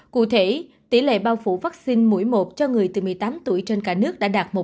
cụ thể tỷ lệ bao phủ vaccine mũi một cho người từ một mươi tám tuổi trên cả nước đã đạt một